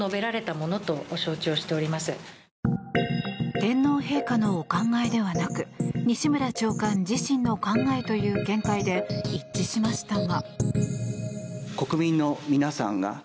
天皇陛下のお考えではなく西村長官自身の考えという見解で一致しましたが。